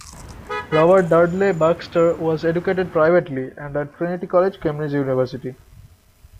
Robert Dudley Baxter was educated privately and at Trinity College, Cambridge University.